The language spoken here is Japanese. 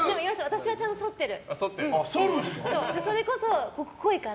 私はちゃんとそってる。